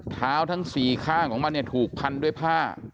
ทั้ง๔ข้างของมันเนี่ยถูกพันด้วยผ้า